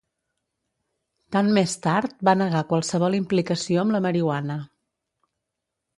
Tant més tard va negar qualsevol implicació amb la marihuana.